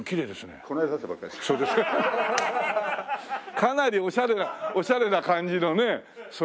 かなりおしゃれなおしゃれな感じのね。